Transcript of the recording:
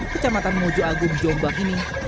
kecamatan mojo agung jombang ini